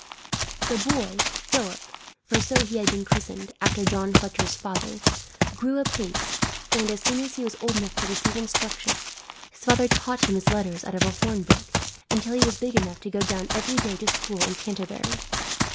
The boy, Philip for so he had been christened, after John Fletcher's father grew apace and, as soon as he was old enough to receive instruction, his father taught him his letters out of a horn book, until he was big enough to go down every day to school in Canterbury.